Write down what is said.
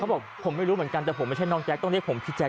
บอกผมไม่รู้เหมือนกันแต่ผมไม่ใช่น้องแจ๊คต้องเรียกผมพี่แจ๊